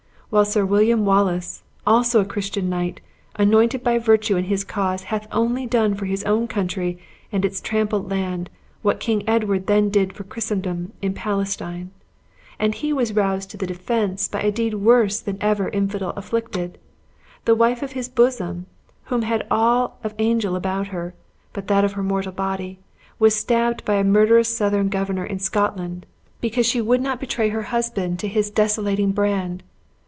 While Sir William Wallace, also a Christian knight, anointed by virtue and his cause, hath only done for his own country and its trampled land what King Edward then did for Christendom in Palestine. And he was roused to the defense, by a deed worse than ever infidel inflicted! The wife of his bosom who had all of angel about her, but that of her mortal body was stabbed by a murderous Southron governor in Scotland, because she would not betray her husband to his desolating brand!